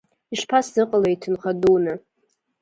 Ишԥасзыҟалеи иҭынха дуны.